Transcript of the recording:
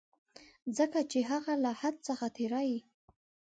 ځکه چي که هغه له حد څخه تېری.